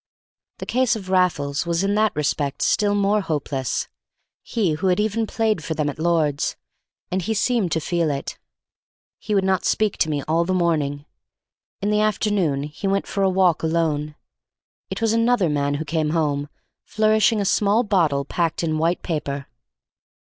The case of Raffles was in that respect still more hopeless (he who had even played for them at Lord's), and he seemed to feel it. He would not speak to me all the morning; in the afternoon he went for a walk alone. It was another man who came home, flourishing a small bottle packed in white paper.